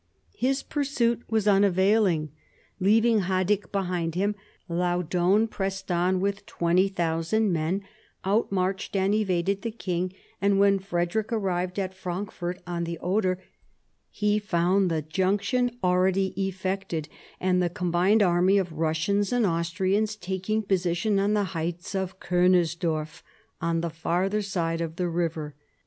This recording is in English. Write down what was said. His pursuit was unavailing. Leaving Haddick behind him, Laudon pressed on with 20,000 men, outmarched and evaded the king, and when Frederick arrived at Frankfort on the Oder, he found the junction already effected, and the combined army of Eussians and Austrians taking position on the heights of Kunersdorf, on the farther side of the river.